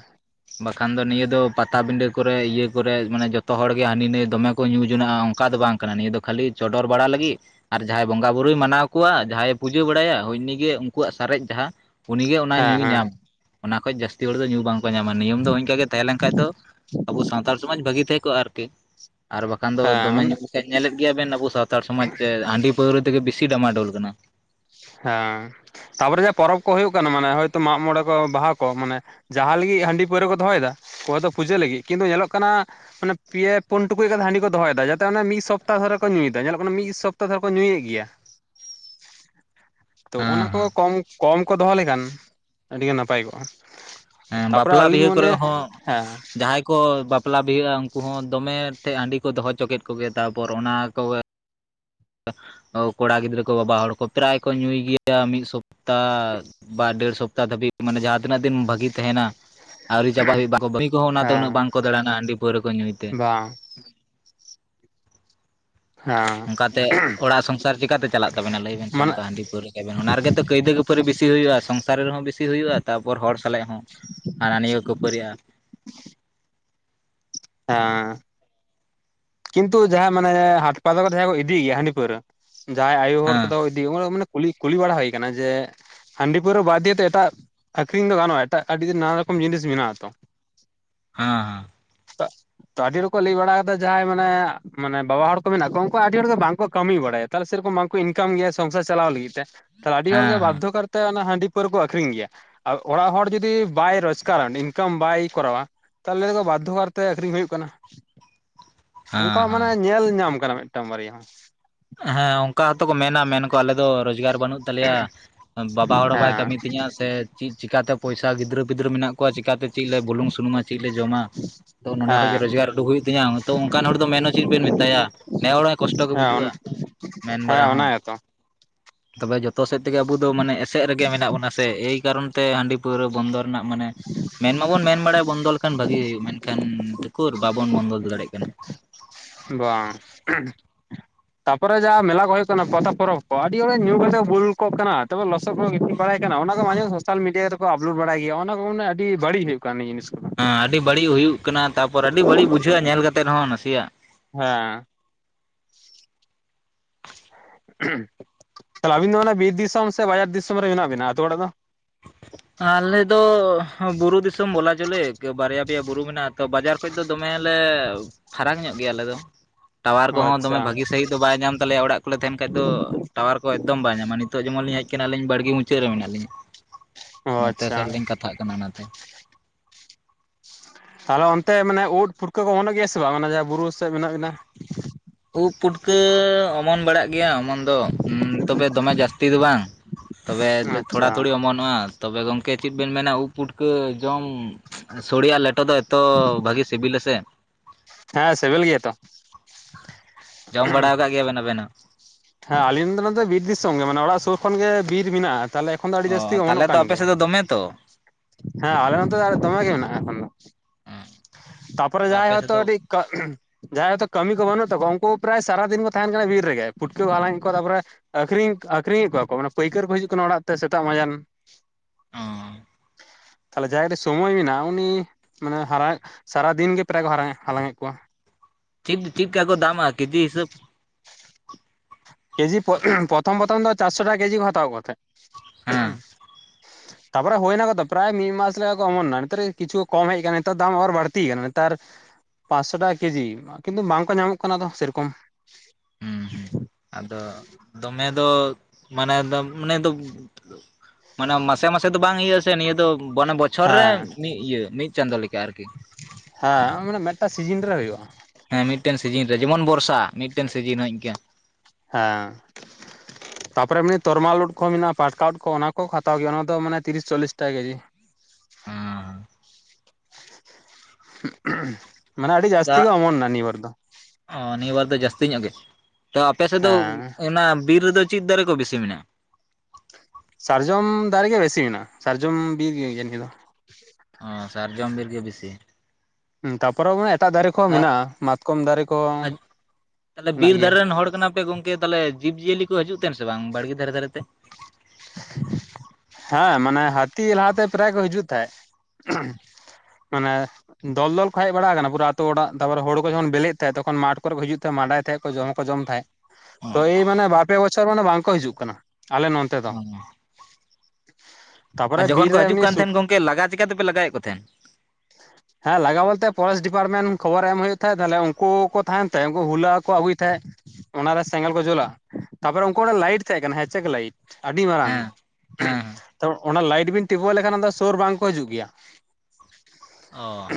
[SPEAKER 1] ᱵᱟᱠᱷᱟᱱ ᱫᱚ ᱱᱤᱭᱟᱹ ᱫᱚ ᱯᱟᱛᱟᱵᱤᱸᱱᱰᱟᱹ ᱠᱚᱨᱮ ᱤᱭᱟᱹ ᱠᱚᱨᱮ ᱢᱟᱱᱮ ᱡᱚᱛᱚ ᱜᱮ ᱱᱟᱹᱭ ᱫᱚᱢᱮ ᱠᱚ ᱧᱩ ᱡᱚᱱᱟᱜ ᱚᱠᱟ ᱫᱚ ᱵᱟᱝ ᱠᱟᱱᱟ ᱱᱤᱭᱟᱹ ᱫᱚ ᱠᱷᱟᱹᱞᱤ ᱪᱚᱰᱚᱨ ᱵᱟᱲᱟ ᱞᱟᱹᱜᱤᱫ ᱟᱨ ᱡᱟᱦᱟᱸᱭ ᱵᱚᱸᱜᱟ ᱵᱩᱨᱩᱭ ᱢᱟᱱᱟᱣ, ᱠᱚᱣᱟ ᱡᱟᱦᱟᱸᱭᱮ ᱯᱩᱡᱟᱹ ᱵᱟᱲᱟᱭᱟ ᱦᱳᱭ ᱩᱱᱤᱜᱮ ᱩᱱᱠᱩᱣᱟᱜ ᱥᱟᱨᱮᱡ ᱡᱟᱦᱟᱸ ᱩᱱᱤᱜᱮ ᱚᱱᱟ
[SPEAKER 2] ᱦᱮᱸ
[SPEAKER 1] ᱧᱩᱭ
[SPEAKER 2] ᱦᱮᱸ
[SPEAKER 1] ᱧᱟᱢ ᱚᱱᱟ ᱠᱷᱚᱡ ᱡᱟᱹᱥᱛᱤ ᱦᱚᱲ ᱫᱚ ᱧᱩ ᱵᱟᱝᱠᱚ ᱧᱟᱢᱟ ᱱᱤᱭᱚᱢ ᱫᱚ ᱤᱱᱠᱠᱟ ᱜᱮ ᱛᱟᱦᱮᱸ ᱞᱮᱱ ᱠᱷᱟᱱᱡ ᱫᱚ ᱟᱵᱩ ᱥᱟᱱᱛᱟᱲ ᱥᱚᱢᱟᱡ ᱵᱷᱟᱜᱤ ᱛᱟᱦᱮᱸ ᱠᱚᱜᱼᱟ, ᱟᱨᱠᱤ ᱟᱨ ᱵᱟᱠᱷᱟᱱ ᱫᱚ ᱫᱚᱢᱮ
[SPEAKER 2] ᱦᱮᱸ
[SPEAKER 1] ᱧᱮᱞ ᱧᱮᱞᱮᱫ ᱜᱮᱭᱟᱵᱮᱱ ᱟᱵᱚ ᱥᱟᱱᱛᱟᱲ ᱥᱚᱢᱟᱡᱽ ᱨᱮ ᱦᱟᱺᱰᱤ ᱯᱟᱹᱣᱨᱟᱹ ᱛᱮᱜᱮ ᱵᱤᱥᱤ ᱰᱟᱢᱟ ᱰᱳᱞ ᱠᱟᱱᱟ᱾
[SPEAKER 2] ᱦᱮᱸ ᱛᱟᱯᱚᱨᱮ ᱡᱮ ᱯᱚᱨᱚᱵᱽ ᱠᱚ ᱦᱳᱭᱳᱜ ᱠᱟᱱᱟ ᱢᱟᱱᱮ ᱦᱭᱛᱳ ᱢᱟᱜ ᱢᱚᱬᱮ ᱠᱚ ᱵᱟᱦᱟ ᱠᱚ ᱢᱟᱱᱮ ᱡᱟᱦᱟᱸ ᱞᱤᱹᱜᱤᱜ ᱦᱟᱸᱰᱤ ᱯᱟᱹᱣᱨᱟᱹ ᱠᱚ ᱫᱚᱦᱚᱭ ᱫᱟ ᱚᱠᱚᱭ ᱫᱚ ᱯᱩᱡᱟᱹ ᱞᱟᱹᱜᱤᱫ ᱠᱤᱱᱛᱩ ᱧᱮᱞᱚᱜ ᱠᱟᱱᱟ ᱢᱟᱱᱮ ᱯᱮ ᱯᱩᱱ ᱴᱩᱠᱩᱡ ᱠᱟᱛᱮ ᱦᱟᱸᱰᱤ ᱠᱚ ᱫᱚᱦᱚᱭ ᱫᱟ, ᱡᱟᱛᱮ ᱢᱤᱫ ᱥᱚᱯᱛᱟ ᱫᱷᱚᱨᱮ ᱠᱚ ᱧᱩᱭᱮᱫᱟ ᱠᱟᱱᱟ ᱢᱤᱫ ᱥᱚᱯᱛᱟ ᱫᱷᱚᱨᱮ ᱠᱚ ᱧᱩᱭᱮᱫ ᱜᱮᱭᱟ ᱛᱚ
[SPEAKER 1] ᱦᱮᱸ
[SPEAKER 2] ᱚᱱᱟ ᱠᱚ
[SPEAKER 1] ᱦᱮᱸ
[SPEAKER 2] ᱠᱚᱢ ᱠᱚᱢ ᱠᱚ ᱫᱚᱦᱚ ᱞᱮᱠᱷᱟᱱ ᱟᱹᱰᱤᱜᱮ ᱱᱟᱯᱟᱭ ᱠᱚᱜᱼᱟ᱾
[SPEAKER 1] ᱮᱸ
[SPEAKER 2] ᱛᱟᱯᱚᱨᱮ
[SPEAKER 1] ᱵᱟᱯᱞᱟ
[SPEAKER 2] ᱟᱹᱞᱤᱧ
[SPEAKER 1] ᱵᱤᱦᱟᱹ ᱠᱚᱨᱮ
[SPEAKER 2] ᱢᱚᱱᱮᱭᱟ
[SPEAKER 1] ᱦᱚᱸ
[SPEAKER 2] ᱦᱮᱸ
[SPEAKER 1] ᱡᱟᱦᱟᱸᱭ ᱠᱚ ᱵᱟᱯᱞᱟ ᱵᱤᱦᱟᱹ ᱩᱝᱠᱩ ᱦᱚᱸ ᱫᱚᱢᱮ ᱴᱷᱮᱡ ᱦᱟᱸᱰᱤ ᱠᱚ ᱫᱚ ᱦᱚᱪᱚ ᱠᱮᱫ ᱠᱚᱜᱮᱭᱟ ᱛᱟᱯᱚᱨ ᱚᱱᱟ ᱠᱚ ᱜᱮ ᱠᱚᱲᱟ ᱜᱤᱫᱽᱨᱟᱹ ᱠᱚ ᱵᱟᱵᱟ ᱦᱚᱲ ᱠᱚ ᱯᱨᱟᱭ ᱧᱩᱭ ᱜᱮᱭᱟ, ᱢᱤ ᱥᱚᱯᱛᱟ ᱵᱟᱨ ᱰᱮᱲ ᱥᱚᱯᱛᱟ ᱫᱷᱟᱹᱵᱤᱡ ᱢᱟᱱᱮ ᱡᱟᱦᱟᱸ ᱛᱤᱱᱟᱹ ᱫᱤᱱ ᱵᱷᱟᱹᱜᱤ ᱛᱟᱦᱮᱱᱟ ᱟᱹᱣᱨᱤ ᱪᱟᱵᱟᱜ ᱦᱩᱭᱩᱜ ᱠᱚᱦᱚᱸ ᱚᱱᱟᱛᱮ [inaudible] ᱩᱱᱟᱹᱜ
[SPEAKER 2] ᱦᱮᱸ
[SPEAKER 1] ᱵᱟᱝᱠᱚ ᱫᱟᱬᱟᱱᱟ ᱦᱟᱸᱰᱤ ᱯᱟᱹᱣᱨᱟᱹ ᱠᱚ ᱧᱩᱭ ᱛᱮ᱾
[SPEAKER 2] ᱵᱟᱝ ᱦᱟᱸ᱾
[SPEAKER 1] ᱚᱱᱠᱟᱛᱮ ᱚᱲᱟᱜ ᱥᱚᱝᱥᱟᱨ ᱪᱤᱠᱟᱛᱮ ᱪᱟᱞᱟᱜ ᱛᱟᱵᱮᱱᱟ ᱞᱟᱹᱭᱵᱮᱱ ᱥᱮ
[SPEAKER 2] ᱢᱟᱱᱮ
[SPEAKER 1] ᱚᱝᱠᱟ ᱦᱟ ᱯᱟᱣᱨᱟ ᱠᱟᱱ ᱵᱮᱱ, ᱚᱱᱟ ᱨᱮᱜᱮᱚ ᱠᱟᱹᱭᱫᱟᱹ ᱠᱷᱟᱹᱯᱟᱹᱨᱤ ᱵᱤᱥᱤ ᱦᱩᱭᱩᱜᱼᱟ᱾ ᱥᱚᱝᱥᱟᱨ ᱨᱮᱦᱚᱸ ᱵᱤᱥᱤ ᱦᱩᱭᱩᱜᱼᱟ᱾ ᱛᱟᱯᱚᱨ ᱦᱚᱲ ᱥᱟᱞᱟᱜ ᱦᱚᱸ, ᱦᱟᱱᱟ ᱱᱤᱭᱟᱹ ᱠᱚ ᱠᱷᱟᱹᱯᱟᱹᱨᱤᱜᱼᱟ᱾
[SPEAKER 2] [inaudible] ᱦᱮᱮᱸ ᱠᱤᱱᱛᱩ ᱡᱟᱦᱟᱭᱸ ᱢᱟᱱᱮ ᱦᱟᱴ ᱯᱟᱛᱟ ᱡᱟᱦᱟᱸᱭ ᱠᱚ ᱤᱫᱤᱭ, ᱜᱮᱭᱟ ᱦᱟᱺᱰᱤ ᱯᱟᱹᱣᱟᱹ ᱡᱟᱦᱟᱸᱭ ᱟᱭᱳ ᱦᱚᱲ
[SPEAKER 1] ᱦᱮᱸ
[SPEAKER 2] ᱠᱚᱫᱚ ᱢᱟᱱᱮ [unintelligible] ᱠᱩᱞᱤ ᱠᱩᱞᱤ ᱵᱟᱲᱟ ᱦᱩᱭ ᱠᱟᱱᱟ ᱡᱮ ᱦᱟᱺᱰᱤ ᱯᱟᱹᱣᱨᱟᱹ ᱵᱟᱫᱮ ᱫᱤᱭᱮ ᱛᱚ ᱮᱴᱟᱜ ᱟᱠᱷᱨᱤᱧ ᱫᱚ ᱜᱟᱱᱚᱜᱼᱟ ᱮᱴᱟᱜ ᱟᱹᱰᱤ ᱱᱟᱱᱟ ᱨᱚᱠᱚᱢ ᱡᱤᱱᱤᱥ ᱢᱮᱱᱟᱜ ᱟᱛᱚ᱾ [inaudible]
[SPEAKER 1] ᱦᱟᱸ ᱦᱟᱸ᱾
[SPEAKER 2] ᱛ ᱟᱹᱰᱤ ᱦᱚᱲ ᱠᱚ ᱞᱟᱹᱭ ᱵᱟᱲᱟ ᱠᱟᱫᱟ ᱡᱟᱦᱟᱸᱭ ᱢᱟᱱᱮ ᱢᱟᱱᱮ ᱵᱟᱵᱟ ᱦᱚᱲ ᱠᱚ ᱢᱮᱱᱟᱜ ᱠᱚᱣᱟ ᱩᱱᱠᱩ ᱟᱹᱰᱤ ᱦᱚᱲᱜ ᱵᱟᱝᱠᱚ ᱠᱟᱹᱢᱤ ᱵᱟᱲᱟᱭᱟ ᱛᱟᱞᱮ ᱥᱮᱨᱚᱠᱚᱢ ᱵᱟᱝ ᱤᱱᱠᱟᱢ ᱜᱮᱭᱟ ᱥᱚᱝᱥᱟᱨ ᱪᱟᱞᱟᱣ ᱞᱟᱹᱜᱤᱫ ᱛᱮ, ᱛᱟᱦ ᱟᱹᱰᱤ ᱦᱚᱲ ᱜᱮ
[SPEAKER 1] ᱦᱮᱸ
[SPEAKER 2] ᱵᱟᱫᱽᱫᱷᱚ ᱠᱟᱨᱛᱮ ᱚᱱᱟ ᱦᱟᱺᱰᱤ ᱩᱯᱟᱹᱨ ᱠᱚ ᱟᱠᱷᱨᱤᱧ ᱜᱮᱭᱟ, ᱟᱨ ᱚᱲᱟᱜ ᱦᱚᱲ ᱡᱩᱫᱤ ᱵᱟᱭ ᱨᱳᱡᱽᱠᱟᱨᱟ ᱤᱱᱠᱟᱢ ᱵᱟᱭ ᱠᱚᱨᱟᱣᱟ ᱛᱟᱦᱚᱞᱮ ᱵᱟᱫᱽᱫᱷᱳ ᱚ ᱠᱟᱨᱛᱮ ᱟᱠᱨᱤᱧᱟ ᱦᱩᱭᱩᱜ ᱠᱟᱱᱟ ᱚᱝᱠᱟ
[SPEAKER 1] ᱦᱮᱸ
[SPEAKER 2] ᱢᱟᱱᱮ
[SPEAKER 1] ᱦᱮᱸ
[SPEAKER 2] ᱧᱮᱞ ᱧᱟᱢ ᱠᱟᱱᱟ ᱢᱮᱴᱟᱝ ᱵᱟᱨᱭᱟ ᱦᱚᱸ᱾
[SPEAKER 1] ᱦᱮᱸ ᱚᱝᱠᱟ ᱦᱚᱸᱛᱚ ᱠᱚ ᱢᱮᱱᱟ ᱢᱮᱱ ᱠᱚ ᱟᱞᱮ ᱫᱚ ᱨᱳᱡᱽᱜᱟᱨ ᱵᱟᱹᱱᱩᱜ ᱛᱟᱞᱮᱭᱟ ᱵᱟᱵᱟ ᱦᱚᱲ ᱦᱚᱸ ᱵᱟᱭ ᱠᱟᱹᱢᱤ
[SPEAKER 2] ᱦᱮᱸ
[SPEAKER 1] ᱛᱤᱧᱟᱹ ᱥᱮ ᱪᱤᱜ ᱪᱤᱠᱟᱹᱛᱮ ᱯᱚᱭᱥᱟ ᱜᱤᱫᱽᱨᱟᱹ ᱯᱤᱫᱽᱨᱟᱹ ᱢᱮᱱᱟᱜ ᱠᱚᱣᱟ ᱪᱤᱠᱟᱹᱛᱮ ᱪᱤᱜ ᱞᱮ ᱵᱩᱞᱩᱝ ᱥᱩᱱᱩᱢ ᱪᱤᱜ ᱞᱮ ᱡᱚᱢᱟ ᱛᱚ ᱱᱚᱸᱰᱮ ᱠᱷᱚᱡ ᱜᱮ
[SPEAKER 2] ᱦᱮᱸ
[SPEAKER 1] ᱨᱚᱡᱽᱜᱟᱨ ᱩᱰᱩᱠ ᱦᱩᱭᱩᱜ ᱛᱤᱧᱹᱟ, ᱛᱚ ᱚᱝᱠᱟᱱ ᱦᱚᱲ ᱫᱚ ᱢᱮᱱ ᱦᱚᱸ ᱪᱤᱫ ᱵᱮᱱ ᱢᱮᱛᱟᱭᱟ᱾ ᱱᱮ ᱦᱚᱲ ᱦᱚᱸ ᱠᱚᱥᱴᱚ ᱜᱮ
[SPEAKER 2] ᱦᱮᱸ
[SPEAKER 1] ᱵᱩᱡᱩᱜᱼᱟ᱾ ᱢᱮᱱ
[SPEAKER 2] ᱦᱮᱸ
[SPEAKER 1] ᱵᱟᱲᱟ ᱦᱚᱸ
[SPEAKER 2] ᱚᱱᱟ ᱜᱮᱛᱚ᱾
[SPEAKER 1] ᱛᱚᱵᱮ ᱡᱚᱛᱚ ᱥᱮᱫ ᱛᱮᱜᱮ ᱟᱵᱚ ᱫᱚ ᱢᱟᱱᱮ ᱮᱥᱮᱜ ᱨᱮᱜᱮ ᱢᱮᱱᱟᱜ ᱵᱚᱱᱟ ᱥᱮ ᱮᱭ ᱠᱟᱨᱚᱱ ᱛᱮ ᱦᱟᱺᱰᱤ ᱯᱟᱣᱨᱟᱹ ᱵᱚᱱᱫᱚ ᱨᱮᱱᱟᱜ ᱢᱟᱱᱮ ᱢᱮᱱ ᱢᱟᱵᱚᱱ ᱢᱮᱱ ᱵᱟᱲᱟᱭᱟ ᱵᱚᱱᱫᱚ, ᱞᱮᱠᱷᱟᱱ ᱵᱷᱟᱜᱤ ᱦᱩᱭᱩᱜᱼᱟ᱾ ᱢᱮᱱ ᱠᱷᱟᱱ ᱛᱩᱠᱩᱨ ᱵᱟᱵᱚᱱ ᱵᱚᱱᱫᱚ ᱫᱟᱲᱮᱜ ᱠᱟᱱᱟ᱾
[SPEAKER 2] ᱵᱟᱝ᱾ ᱛᱟᱯᱚᱨᱮ ᱡᱟ ᱢᱮᱞᱟ ᱠᱚ ᱦᱩᱭᱩᱜ ᱠᱟᱱᱟ ᱯᱟᱛᱟ ᱯᱚᱨᱚᱵᱽ ᱠᱚ, ᱟᱹᱰᱤ ᱦᱚᱲ ᱧᱩ ᱠᱟᱛᱮ ᱵᱩᱞ ᱠᱚᱜ ᱠᱟᱱᱟ ᱛᱚᱵᱮ ᱞᱚᱥ ᱞᱚᱥᱚᱫ ᱠᱚᱨᱮ ᱜᱤᱛᱤᱡ ᱵᱟᱲᱟᱭ ᱠᱟᱱᱟ, ᱚᱱᱟ ᱠᱚ ᱢᱟᱡᱷᱮ ᱢᱟᱡᱷᱮ ᱥᱳᱥᱟᱞ ᱢᱤᱰᱤᱭᱟ ᱨᱮᱠᱚ ᱟᱯᱞᱳᱰ ᱵᱟᱲᱟᱭ ᱜᱮᱭᱟ ᱚᱱᱟ ᱠᱚ ᱢᱟᱱᱮ ᱟᱹᱰᱤ ᱵᱟᱹᱲᱤᱡ ᱦᱩᱭᱩᱜ ᱠᱟ ᱱᱤᱭᱟ ᱡᱤᱱᱤᱥ ᱠᱚᱫᱚ
[SPEAKER 1] ᱦᱮᱸ ᱟᱹᱰᱤ ᱵᱟᱹᱲᱤᱡ ᱦᱩᱭᱩᱜ ᱠᱟᱱᱟ, ᱛᱟᱯᱚᱨ ᱟᱹᱰᱤ ᱵᱟᱹᱲᱤᱡ ᱵᱩᱡᱷᱟᱹᱜ-ᱟ ᱧᱮᱞ ᱠᱟᱛᱮ ᱨᱮᱦᱚᱸ ᱱᱟᱥᱮᱭᱟᱜ᱾
[SPEAKER 2] ᱦᱮᱸ᱾ ᱛᱟᱦᱞᱮ ᱟᱵᱤᱱ ᱫᱚ ᱚᱱᱟ ᱵᱤᱨ ᱫᱤᱥᱚᱢ ᱥᱮ ᱵᱟᱡᱟᱨ ᱫᱤᱥᱚᱢ ᱨᱮ ᱢᱮᱱᱟᱜ ᱵᱤᱱᱟ, ᱟᱛᱳ ᱚᱲᱟᱜ ᱫᱚ?
[SPEAKER 1] ᱟᱞᱮ ᱫᱚ ᱵᱩᱨᱩ ᱫᱤᱥᱚᱢ ᱵᱚᱞᱟ ᱪᱚᱞᱮ, ᱵᱟᱨᱭᱟ ᱯᱮᱭᱟ ᱵᱩᱨᱩ ᱢᱮᱱᱟᱜ-ᱟ ᱛᱚ ᱵᱟᱡᱟᱨ ᱠᱷᱚᱡ ᱫᱚ ᱫᱚᱢᱮᱞᱮ ᱯᱷᱟᱨᱟᱠ ᱧᱚᱜ ᱜᱮᱭᱟ ᱟᱞᱮ ᱫᱚ᱾ ᱴᱟᱣᱟᱨ
[SPEAKER 2] ᱚ
[SPEAKER 1] ᱠᱚᱦᱚᱸ ᱫᱚᱢᱮ
[SPEAKER 2] ᱟᱪᱪᱷᱟ
[SPEAKER 1] ᱵᱟᱹᱜᱤᱹ ᱥᱟᱺᱦᱤᱡ ᱫᱚ ᱵᱟᱭ ᱧᱟᱢ ᱛᱟᱞᱮᱭᱟ ᱚᱲᱟᱜ ᱠᱚᱞᱮ ᱛᱟᱦᱮᱱ ᱠᱷᱟᱡ ᱫᱚ ᱴᱟᱣᱟᱨ ᱠᱚ ᱮᱠᱫᱚᱢ ᱵᱟᱭ ᱧᱟᱢᱟ᱾ ᱱᱤᱛᱚᱜ ᱡᱮᱢᱚᱱ ᱞᱤᱧ ᱦᱮᱡ ᱠᱟᱱᱟ ᱟᱹᱞᱤᱧ ᱵᱟᱲᱜᱮ ᱢᱩᱪᱟᱹᱫ ᱨᱮ ᱢᱮᱱᱟᱜ ᱞᱤᱧᱟᱹ᱾
[SPEAKER 2] ᱚ
[SPEAKER 1] ᱱᱚᱛᱮ
[SPEAKER 2] ᱟᱪᱪᱷᱟ
[SPEAKER 1] ᱥᱟᱜ ᱞᱤᱧ ᱠᱟᱛᱷᱟᱜ ᱠᱟᱱᱟ ᱚᱱᱟᱛᱮ᱾
[SPEAKER 2] ᱛᱟᱦᱞᱮ ᱚᱱᱛᱮ ᱢᱟᱱᱮ ᱩᱫ ᱯᱩᱴᱠᱟᱹ ᱠᱚ ᱚᱢᱚᱱᱚᱜ ᱜᱮᱭᱟ ᱥᱮ ᱵᱟᱝ, ᱚᱱᱟ ᱡᱟᱦᱟᱸ ᱵᱩᱨᱩ ᱥᱮᱜ ᱢᱮᱱᱟᱜ ᱵᱤᱱᱟ?
[SPEAKER 1] ᱩᱵ ᱯᱩᱴᱠᱟᱹ ᱚᱢᱚᱱ ᱵᱟᱲᱟᱜ ᱜᱮᱭᱟ ᱚᱢᱚᱱ ᱫᱚ ᱛᱚᱵᱮ ᱫᱚᱢᱮ ᱡᱟᱹᱥᱛᱤ ᱫᱚ ᱵᱟᱝ᱾ ᱛᱚᱵᱮ ᱛᱷᱚᱲᱟ
[SPEAKER 2] ᱟᱪᱪᱷᱟ
[SPEAKER 1] ᱛᱷᱚᱲᱤ ᱚᱢᱚᱱᱚᱜ-ᱟ᱾ ᱛᱚᱵᱮ ᱜᱚᱝᱠᱮ ᱪᱮᱫ ᱵᱮᱱ ᱢᱮᱱᱟ ᱩᱵ ᱯᱩᱴᱠᱟᱹ ᱡᱚᱢ ᱥᱚᱲᱮᱭᱟ ᱟᱨ ᱞᱮᱴ ᱴᱚ ᱫᱚ ᱮᱛᱚ ᱵᱷᱟᱜᱮ ᱥᱤᱵᱤᱞᱟᱥᱮ᱾
[SPEAKER 2] ᱦᱮᱸ ᱥᱮᱵᱮᱞ ᱜᱮᱭᱟ ᱛᱚ᱾
[SPEAKER 1] ᱡᱚᱢ ᱵᱟᱲᱟᱣ ᱠᱟᱜ ᱜᱮᱭᱟᱵᱮᱱ ᱟᱵᱮᱱ ᱦᱚᱸ᱾
[SPEAKER 2] ᱦᱮᱸ ᱟᱹᱞᱤᱧ ᱫᱚ ᱱᱚᱛᱮ ᱵᱤᱨ ᱫᱤᱥᱚᱢ ᱜᱮ ᱢᱟᱱᱮ ᱚᱲᱟᱜ ᱥᱩᱨ ᱠᱷᱚᱱ ᱜᱮ ᱵᱤᱨ ᱢᱮᱱᱟᱜ-ᱟ᱾ ᱛᱟᱞᱦᱮ ᱮᱠᱷᱚᱱ ᱫᱚ ᱟᱹᱰᱤ ᱡᱟᱹᱥᱛᱤ
[SPEAKER 1] ᱚ
[SPEAKER 2] ᱜᱮ ᱚᱢᱚᱱᱚᱜ
[SPEAKER 1] ᱛᱟᱦᱚᱞᱮ ᱛᱚ
[SPEAKER 2] ᱠᱟᱱ
[SPEAKER 1] ᱟᱯᱮ
[SPEAKER 2] ᱜᱮᱭᱟ᱾
[SPEAKER 1] ᱥᱮᱫ ᱫᱚ ᱫᱚᱢᱮ ᱛᱚ
[SPEAKER 2] ᱦᱮᱸ ᱟᱞᱮ ᱱᱚᱛᱮ ᱫᱚ ᱟᱨ ᱫᱚᱢᱮ ᱜᱮ ᱢᱮᱱᱟᱜ-ᱟ ᱮᱠᱷᱚᱱ ᱫᱚ᱾
[SPEAKER 1] ᱦᱮᱸ
[SPEAKER 2] ᱛᱟᱨᱯᱚᱨᱮ
[SPEAKER 1] ᱛᱚᱵᱮ
[SPEAKER 2] ᱡᱟᱦᱟᱸᱭ
[SPEAKER 1] ᱟᱯᱮ ᱥᱮᱫ
[SPEAKER 2] ᱦᱚᱭᱛᱚ
[SPEAKER 1] ᱫᱚ
[SPEAKER 2] ᱠᱟᱴᱤᱡ ᱠᱟ, ᱡᱟᱦᱟᱸᱭ ᱦᱚᱭᱛᱚ ᱠᱟᱹᱢᱤ ᱠᱚ ᱵᱟᱹᱱᱩᱜ ᱛᱟᱠᱚᱣᱟ, ᱩᱝᱠᱩ ᱯᱨᱟᱭ ᱥᱟᱨᱟᱫᱤᱱ ᱠᱚ ᱛᱟᱦᱮᱱ ᱠᱟᱱᱟ ᱵᱤᱨ ᱨᱮᱜᱮ᱾ ᱯᱩᱴᱠᱟᱹ ᱠᱚ ᱦᱟᱞᱟᱝᱮᱫ ᱠᱚᱣᱟ ᱛᱟᱨᱯᱚᱨᱮ ᱟᱹᱷᱨᱤᱧ, ᱟᱠᱷᱨᱤᱧᱮᱫ ᱠᱚᱣᱟ ᱠᱚ, ᱢᱟᱱᱮ ᱯᱟᱹᱭᱠᱟᱹ ᱨᱠᱚ ᱦᱤᱡᱩᱜ ᱠᱟᱱᱟ ᱚᱲᱟᱜ ᱛᱮ ᱥᱮᱛᱟᱜ ᱢᱟᱡᱟᱱ᱾
[SPEAKER 1] ᱚ
[SPEAKER 2] [inaudible] ᱛᱟᱞᱦᱮ ᱡᱟᱦᱟᱸᱭ ᱠᱟᱴᱤᱡ ᱥᱚᱢᱚᱭ ᱢᱮᱱᱟᱜ-ᱟ ᱩᱱᱤ ᱢᱟᱱᱮ ᱦᱟᱨᱟ ᱥᱟᱨᱟᱫᱤᱱ ᱜᱮ ᱯᱨᱟᱭ ᱠᱚ ᱦᱟᱨᱟ ᱦᱟᱞᱟᱝᱮᱫ ᱠᱚᱣᱟ᱾
[SPEAKER 1] ᱪᱤᱫ, ᱪᱤᱫᱠᱟ ᱠᱚ ᱫᱟᱢᱟᱜ-ᱟ ᱠᱮᱡᱤ ᱦᱤᱥᱟᱹᱵᱽ?
[SPEAKER 2] ᱠᱮᱡᱤ ᱯᱚ, ᱯᱨᱚᱛᱷᱚᱢ-ᱯᱨᱚᱛᱷᱚᱢ ᱫᱚ ᱪᱟᱥᱥᱚ ᱴᱟᱠᱟ ᱠᱮᱡᱤ ᱠᱚ ᱦᱟᱛᱟᱣ ᱠᱚ ᱛᱟᱦᱮᱸᱜ᱾
[SPEAKER 1] ᱦᱮᱸ
[SPEAKER 2] [inaudible] ᱛᱟᱨᱯᱚᱨᱮ ᱦᱩᱭᱮᱱᱟ ᱛᱟᱠᱚ ᱛᱚ ᱯᱨᱟᱭ ᱢᱤᱫ ᱢᱟᱥ ᱞᱮᱠᱟ ᱠᱚ ᱚᱢᱚᱱᱱᱟ, ᱱᱮᱛᱟᱨᱮ ᱠᱤᱪᱷᱩ ᱠᱚ ᱠᱚᱢ ᱦᱮᱡ ᱟᱠᱟᱱᱟ ᱱᱮᱛᱟᱨ ᱫᱟᱢ ᱟᱨ ᱵᱟᱲᱛᱤᱭ ᱠᱟᱱᱟ ᱱᱮᱛᱟᱨ᱾ ᱯᱟᱸᱥᱥᱚ ᱴᱟᱠᱟ ᱠᱮᱡᱤ᱾ ᱠᱤᱱᱛᱩ ᱵᱟᱝ ᱠᱚ ᱧᱟᱢᱚᱜ ᱠᱟᱱᱟ ᱥᱮᱨᱚᱠᱚᱢ᱾
[SPEAKER 1] ᱦᱩᱸ ᱦᱩᱸ ᱟᱫᱚ ᱫᱚᱢᱮ ᱫᱚ ᱢᱟᱱᱮ ᱮᱠᱫᱚᱢ ᱢᱚᱱᱮ ᱫᱚ ᱢᱟᱱᱮ ᱢᱟᱥᱮ-ᱢᱟᱥᱮ ᱫᱚ ᱵᱟᱝ ᱤᱭᱟᱹᱜ-ᱟ ᱥᱮ ᱱᱤᱭᱟᱹ ᱫᱚ ᱵᱟᱱᱮ ᱵᱚᱪᱷᱚᱨ ᱨᱮ
[SPEAKER 2] ᱦᱮᱸ
[SPEAKER 1] ᱢᱤᱫ ᱤᱭᱟᱹ ᱢᱤᱫ ᱪᱟᱸᱫᱚ ᱞᱮᱠᱟ ᱟᱨᱠᱤ᱾
[SPEAKER 2] ᱦᱮᱸ ᱢᱟᱱᱮ ᱢᱤᱫᱴᱟᱝ ᱥᱤᱡᱤᱱ ᱨᱮ ᱦᱩᱭᱩᱜ-ᱟ᱾
[SPEAKER 1] ᱦᱮᱸ, ᱢᱤᱫᱴᱮᱱ ᱥᱤᱡᱤᱱ ᱨᱮ ᱡᱮᱢᱚᱱ ᱵᱚᱨᱥᱟ ᱢᱤᱫᱴᱮᱱ ᱥᱤᱡᱤᱱ ᱦᱳᱭ ᱤᱱᱠᱟᱹ᱾
[SPEAKER 2] ᱦᱮᱸ᱾ ᱛᱟᱨᱯᱚᱨᱮ [unintelligible] ᱛᱚᱨᱢᱟᱞ ᱩᱫ ᱠᱚ ᱢᱮᱱᱟᱜ-ᱟ ᱯᱟᱴᱠᱟ ᱩᱫ ᱠᱚ ᱚᱱᱟ ᱠᱚᱦᱚᱸ ᱠᱚ ᱦᱟᱛᱟᱣ ᱜᱮᱭᱟ, ᱚᱱᱟ ᱫᱚ ᱢᱟᱱᱮ ᱛᱤᱨᱤᱥ ᱪᱟᱞᱞᱤᱥ ᱴᱟᱠᱟ ᱠᱮᱡᱤ᱾ ᱢᱟᱱᱮ ᱟᱹᱰᱤ ᱡᱟᱹᱥᱛᱤ ᱠᱚ ᱚᱢᱚᱱᱱᱟ ᱱᱤᱭᱟᱹ ᱵᱟᱨ ᱫᱚ᱾
[SPEAKER 1] ᱚ, ᱱᱤᱭᱟᱹ ᱵᱟᱨ ᱫᱚ ᱡᱟᱹᱥᱛᱤ ᱧᱚᱜ ᱜᱮ᱾ ᱛᱚ ᱟᱯᱮ ᱥᱮᱫ ᱫᱚ
[SPEAKER 2] ᱦᱮᱸ
[SPEAKER 1] ᱚᱱᱟ ᱵᱤᱨ ᱨᱮᱫᱚ ᱪᱮᱫ ᱫᱟᱨᱮ ᱠᱚ ᱵᱤᱥᱤ ᱢᱮᱱᱟᱜ-ᱟ?
[SPEAKER 2] ᱥᱟᱨᱡᱚᱢ ᱫᱟᱨᱮᱜᱮ ᱵᱮᱥᱤ ᱢᱮᱱᱟᱜ-ᱟ, ᱥᱚᱨᱡᱚᱢ ᱵᱤᱨ ᱜᱮ ᱱᱤᱭᱟᱹ ᱫᱚ᱾
[SPEAKER 1] ᱚ, ᱥᱟᱨᱡᱚᱢ ᱵᱤᱨ ᱜᱮ ᱵᱮᱥᱤ᱾
[SPEAKER 2] ᱛᱟᱨᱯᱚᱨᱮ ᱢᱟᱱᱮ ᱮᱴᱟᱜ ᱫᱟᱨᱮ ᱠᱚᱦᱚᱸ
[SPEAKER 1] ᱟᱨ
[SPEAKER 2] ᱢᱮᱱᱟᱜ-ᱟ᱾ ᱢᱟᱛᱠᱚᱢ ᱫᱟᱨᱮ ᱠᱚᱦᱚᱸ
[SPEAKER 1] ᱛᱟᱦᱚᱞᱮ
[SPEAKER 2] ᱢᱮᱱᱟᱜ
[SPEAKER 1] ᱵᱤᱨ
[SPEAKER 2] ᱜᱮᱭᱟ᱾
[SPEAKER 1] ᱫᱷᱟᱨᱮ ᱨᱮᱱ ᱦᱚᱲ ᱠᱟᱱᱟ ᱯᱮ ᱜᱚᱝ ᱛᱟᱦᱚᱞᱮ ᱡᱤᱵ-ᱡᱤᱭᱟᱹᱞᱤ ᱠᱚ ᱦᱤᱡᱩᱜ ᱛᱟᱦᱮᱱ ᱥᱮ ᱵᱟᱝ ᱵᱟᱲᱜᱮ ᱫᱷᱟᱨᱮ ᱫᱷᱟᱨᱮ ᱛᱮ?
[SPEAKER 2] ᱦᱮᱸ ᱢᱟᱱᱮ ᱦᱟᱹᱛᱤ ᱞᱟᱦᱟᱛᱮ ᱯᱨᱟᱭ ᱠᱚ ᱦᱤᱡᱩᱜ ᱛᱟᱦᱮᱸᱜ᱾ ᱢᱟᱱᱮ ᱫᱚᱞ-ᱫᱚᱞ ᱠᱚ ᱦᱮᱡ ᱵᱟᱲᱟ ᱟᱠᱟᱱᱟ ᱯᱩᱨᱟᱹ ᱟᱛᱳ ᱚᱲᱟᱜ, ᱛᱟᱨᱯᱚᱨᱮ ᱦᱳᱲᱳ ᱠᱚ ᱡᱚᱠᱷᱚᱱ ᱵᱮᱞᱮᱜ ᱛᱟᱦᱮᱸᱜ ᱛᱚᱠᱷᱚᱱ ᱢᱟᱴᱷ ᱠᱚᱨᱮ ᱠᱚ ᱦᱤᱡᱩᱜ ᱛᱟᱦᱮᱸ ᱢᱟᱰᱟᱭ ᱛᱟᱦᱮᱸᱜ᱾ ᱡᱚᱢ ᱦᱚᱸᱠᱚ ᱡᱚᱢ ᱛᱟᱦᱮᱸᱫ
[SPEAKER 1] ᱦᱮᱸ
[SPEAKER 2] ᱛᱚᱭ ᱢᱟᱱᱮ ᱵᱟᱨᱯᱮ ᱵᱚᱪᱷᱚᱨ ᱢᱟᱱᱮ ᱵᱟᱝᱠᱚ ᱦᱤᱡᱩᱜ ᱠᱟᱱᱟ, ᱟᱞᱮ ᱱᱚᱛᱮ ᱫᱚ᱾
[SPEAKER 1] ᱦᱮᱸ ᱟᱨ
[SPEAKER 2] ᱛᱟᱯᱚᱨᱮ ᱵᱤᱨ
[SPEAKER 1] ᱡᱚᱠᱷᱚᱱ ᱠᱚ
[SPEAKER 2] ᱨᱮ
[SPEAKER 1] ᱦᱤᱡᱩᱜ
[SPEAKER 2] ᱮᱢᱱᱤ
[SPEAKER 1] ᱠᱟᱱ ᱛᱟᱦᱮᱸᱱ ᱜᱚᱝᱠᱮ ᱞᱟᱜᱟ ᱪᱮᱠᱟᱛᱮᱯᱮ ᱞᱟᱜᱟᱭᱮᱫ ᱠᱚ ᱛᱟᱦᱮᱸᱫ?
[SPEAKER 2] [unintelligible] ᱦᱮᱸ ᱞᱟᱜᱟ ᱵᱚᱞᱛᱮ ᱯᱷᱚᱨᱮᱥᱴ ᱰᱤᱯᱟᱨᱴᱢᱮᱱᱴ ᱠᱷᱚᱵᱚᱨ ᱮᱢ ᱦᱩᱭᱩᱜ ᱛᱟᱦᱮᱸᱫ, ᱛᱟᱦᱚᱞᱮ ᱩᱱᱠᱩ ᱠᱚ ᱛᱟᱦᱮᱱ ᱛᱮ ᱩᱱᱠᱩ ᱦᱩᱞᱟᱹ ᱠᱚ ᱟᱹᱜᱩᱭ ᱛᱟᱦᱮᱸᱫ ᱚᱱᱟᱨᱮ ᱥᱮᱸᱜᱮᱞ ᱠᱚ ᱡᱩᱞᱟ ᱛᱟᱨᱯᱚᱨᱮ ᱩᱱᱠᱩ ᱚᱱᱟ ᱞᱟᱭᱤᱴ ᱛᱟᱦᱮᱸ ᱠᱟᱱᱟ ᱦᱮᱸᱪᱮᱠ ᱞᱟᱭᱤᱴ ᱟᱹᱰᱤ ᱢᱟᱨᱟᱝ
[SPEAKER 1] ᱦᱮᱸ ᱦᱮᱸ
[SPEAKER 2] ᱛᱚ ᱚᱱᱟ ᱞᱟᱭᱤᱴ ᱵᱤᱱ ᱛᱮᱜᱚ ᱞᱮᱠᱷᱟᱱ ᱫᱚ ᱥᱩᱨ ᱵᱟᱝ ᱠᱚ ᱦᱤᱡᱩᱜ ᱜᱮᱭᱟ᱾
[SPEAKER 1] ᱚ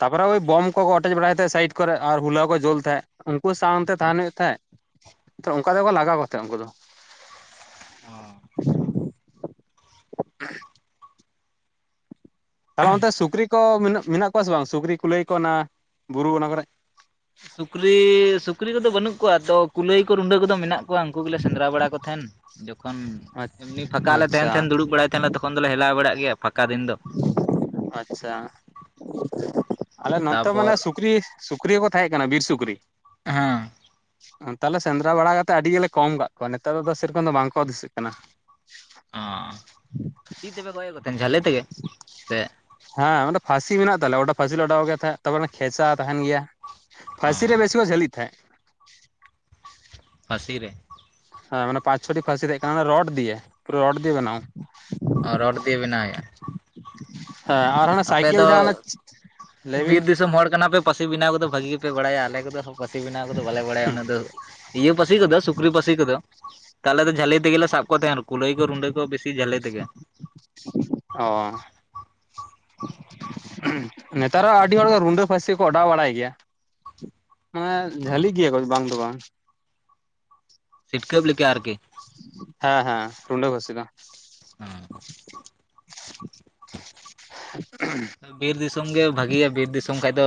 [SPEAKER 2] ᱛᱟᱨᱯᱚᱨᱮ ᱳᱭ ᱵᱚᱢ ᱠᱚ ᱚᱴᱮᱪ ᱵᱟᱲᱟᱭ ᱛᱟᱦᱮᱡ ᱥᱟᱭᱤᱰ ᱠᱚᱨᱮ ᱟᱨ ᱦᱩᱞᱟᱹᱭ ᱠᱚ ᱡᱩᱞ ᱛᱟᱦᱮᱡ ᱩᱱᱠᱩ ᱥᱟᱶᱛᱮ ᱛᱟᱦᱮᱱ ᱦᱩᱭᱩᱜ ᱛᱟᱦᱮᱸᱫ, ᱛᱚ ᱚᱱᱠᱟ ᱛᱮᱠᱚ ᱞᱟᱜᱟ ᱠᱚ ᱛᱟᱦᱮᱸ ᱩᱱᱠᱩ ᱫᱚ᱾
[SPEAKER 1] ᱚᱻ
[SPEAKER 2] [unintelligible] ᱛᱟᱦᱚᱞᱮ ᱚᱱᱛᱮ ᱥᱩᱠᱨᱤ ᱠᱚ ᱢᱮᱱᱟᱜ ᱠᱚᱣᱟ ᱥᱮ ᱵᱟᱝ, ᱥᱩᱠᱨᱤ ᱠᱚ ᱞᱟᱹᱭ ᱠᱚ ᱚᱱᱟ ᱵᱩᱨᱩ ᱚᱱᱟ ᱠᱚᱨᱮ?
[SPEAKER 1] ᱥᱩᱠᱨᱤ, ᱥᱩᱠᱨᱤ ᱠᱚᱫᱚ ᱵᱟᱹᱱᱩᱜ ᱠᱚᱣᱟ ᱟᱫᱚ ᱠᱩᱞᱟᱹᱭ ᱠᱚ ᱨᱩᱸᱰᱟᱹ ᱠᱚᱫᱚ ᱢᱮᱱᱟᱜ ᱩᱱᱠᱩ ᱜᱮᱞᱮ ᱥᱮᱸᱫᱨᱟ ᱵᱟᱲᱟ ᱠᱚᱣᱟ᱾ ᱩᱱᱠᱩ ᱜᱮᱞᱮ ᱥᱮᱸᱫᱽᱨᱟ ᱵᱟᱲᱟᱭ ᱛᱟᱦᱮᱱ, ᱡᱚᱠᱷᱚᱱ ᱮᱢᱱᱤ ᱯᱷᱟᱸᱠᱟ ᱞᱮ
[SPEAKER 2] ᱟᱪᱪᱷᱟ ᱟᱪᱪᱷᱟ
[SPEAKER 1] ᱛᱟᱦᱮᱱ ᱫᱩᱲᱩᱵ ᱵᱟᱲᱟᱭ ᱛᱟᱦᱮᱸᱞᱮ ᱛᱚᱠᱷᱚᱱ᱾ ᱛᱚᱠᱷᱚᱱ ᱫᱚᱞᱮ ᱦᱮᱞᱟᱣ ᱵᱟᱲᱟᱜ ᱜᱮᱭᱟ ᱯᱷᱟᱸᱠᱟ ᱫᱤᱱ ᱫᱚ᱾
[SPEAKER 2] ᱟᱪᱪᱷᱟ, ᱟᱞᱮ ᱱᱚᱛᱮ ᱢᱟᱱᱮ
[SPEAKER 1] ᱛᱟᱯᱚᱨ
[SPEAKER 2] ᱥᱩᱠᱨᱤ ᱥᱩᱠᱨᱤ ᱦᱚᱸᱠᱚ ᱛᱟᱦᱮᱸ ᱠᱟᱱᱟ ᱵᱤᱨ ᱥᱩᱠᱨᱤ᱾
[SPEAKER 1] ᱦᱮᱸ᱾
[SPEAKER 2] ᱛᱟᱦᱚᱞᱮ ᱥᱮᱸᱫᱽᱨᱟ ᱵᱟᱲᱟ ᱠᱟᱛᱮᱫ ᱟᱹᱰᱤ ᱜᱮᱞᱮ ᱠᱚᱢ ᱠᱟᱜ ᱠᱚᱣᱟ ᱱᱮᱛᱟᱨ ᱫᱚ ᱥᱮ ᱨᱚᱠᱚᱢ ᱫᱚ ᱵᱟᱝ ᱠᱚ ᱫᱤᱥᱟᱹᱜ ᱠᱟᱱᱟ᱾
[SPEAKER 1] ᱚ ᱪᱤ ᱛᱮᱯᱮ ᱜᱚᱡ ᱠᱚ ᱛᱟᱦᱮᱱ ᱡᱟᱞᱤ ᱛᱮᱜᱮ ᱥᱮ
[SPEAKER 2] ᱦᱮᱸ ᱢᱟᱱᱮ ᱯᱷᱟᱥᱤ ᱢᱮᱱᱟᱜ ᱛᱟᱞᱮᱭᱟ ᱚᱱᱰᱮ ᱯᱷᱟᱥᱤ ᱞᱮ ᱚᱰᱟᱣ ᱜᱮ ᱛᱟᱦᱮᱸᱫ ᱛᱟᱨ ᱯᱚᱨᱮ ᱠᱷᱮᱪᱟ ᱛᱟᱦᱮᱱ ᱜᱮᱭᱟ᱾
[SPEAKER 1] ᱚ
[SPEAKER 2] ᱯᱷᱟᱥᱤ ᱨᱮ ᱵᱮᱥᱤ ᱠᱚ ᱪᱷᱟᱞᱤᱜ ᱛᱟᱦᱮᱫ ᱾
[SPEAKER 1] ᱯᱷᱟᱥᱤ ᱨᱮ᱾
[SPEAKER 2] ᱦᱮᱸ ᱢᱟᱱᱮ ᱯᱟᱸᱪ ᱪᱷᱚᱴᱤ ᱯᱷᱷᱟᱥᱤ ᱛᱟᱦᱮᱸ ᱠᱟᱱᱟ ᱨᱰ ᱫᱤᱭᱮ ᱯᱩᱨᱟᱹ ᱨᱰ ᱫᱤᱭᱮ ᱵᱮᱱᱟᱣ ᱾
[SPEAKER 1] ᱚ ᱨᱚᱰ ᱫᱤᱭᱮ ᱵᱮᱱᱟᱣ ᱦᱳᱭᱳᱜ-ᱟ ᱾
[SPEAKER 2] ᱦᱮᱸ [unintelligible]
[SPEAKER 1] ᱟᱯᱮ ᱫᱚ
[SPEAKER 2] ᱡᱟᱦᱟᱸ ᱚᱱᱮ ᱞᱟᱹᱭ
[SPEAKER 1] ᱵᱤᱨ
[SPEAKER 2] ᱵᱤᱱ
[SPEAKER 1] ᱫᱤᱥᱚᱢ ᱦᱚᱲ ᱠᱟᱱᱟ ᱯᱮ ᱯᱟᱹᱥᱤ ᱵᱮᱱᱟᱣ ᱠᱚᱫᱚ ᱵᱷᱟᱹᱜᱤ ᱜᱮᱯᱮ ᱵᱟᱲᱟᱭᱟ ᱟᱞᱮ ᱠᱚ ᱫᱚ ᱯᱷᱟᱹᱥᱤ ᱵᱮᱱᱟᱣ ᱠᱚ ᱫᱚ ᱵᱟᱞᱮ ᱵᱟᱲᱟᱭᱟ ᱩᱱᱟᱹᱜ ᱫᱚ ᱤᱭᱟᱹ ᱯᱷᱟᱹᱥᱤ ᱠᱚᱫᱚ ᱥᱩᱠᱨᱤ ᱯᱷᱟᱹᱥᱤ ᱠᱚᱫᱚ ᱾ ᱛᱟᱦᱚᱞᱮ ᱫᱚ ᱡᱷᱟᱹᱞᱤ ᱛᱮᱜᱮ ᱥᱟᱵ ᱠᱚ ᱛᱟᱦᱮᱸ ᱟᱨ ᱠᱩᱞᱟᱹᱭ ᱠᱚ ᱨᱩᱰᱟᱹ ᱠᱚ ᱵᱮᱥᱤ ᱡᱷᱟᱹᱞᱤ ᱛᱮᱜᱮ ᱾
[SPEAKER 2] ᱚ ᱻ ᱱᱮᱛᱟᱨ ᱦᱚᱸ ᱟᱹᱰᱤ ᱦᱚᱲ ᱜᱮ ᱨᱩᱰᱟᱹ ᱯᱷᱟᱹᱥᱤ ᱠᱚ ᱚᱰᱟᱣ ᱵᱟᱲᱟᱭ ᱜᱮᱭᱟ ᱾ ᱦᱮᱸ ᱡᱷᱟᱹᱞᱤ ᱜᱮᱭᱟ ᱠᱚ ᱵᱟᱝ ᱫᱚ ᱵᱟᱝ᱾
[SPEAKER 1] ᱥᱤᱴᱠᱟᱹᱯ ᱞᱮᱠᱟ ᱟᱨᱠᱤ
[SPEAKER 2] ᱦᱮᱸ ᱦᱮᱸ ᱨᱩᱸᱰᱟᱹ ᱯᱷᱟᱥᱤ ᱫᱚ ᱾
[SPEAKER 1] [inaudible]
[SPEAKER 2] [unintelligible]
[SPEAKER 1] ᱵᱤᱨ ᱫᱤᱥᱚᱢ ᱜᱮ ᱵᱷᱟᱹᱜᱤᱭᱟ ᱵᱤᱨ ᱫᱤᱥᱚᱢ ᱠᱷᱟᱡ ᱫᱚ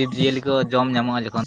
[SPEAKER 1] ᱡᱤᱵᱽ ᱡᱤᱭᱟᱹᱞᱤ ᱠᱚ ᱡᱚᱢ ᱧᱟᱢᱚᱜᱼᱟ ᱡᱚᱠᱷᱚᱱ